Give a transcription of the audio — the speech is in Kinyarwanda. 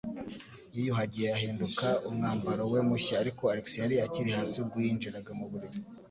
Yiyuhagiye ahinduka umwambaro we mushya, ariko Alex yari akiri hasi ubwo yinjiraga mu buriri.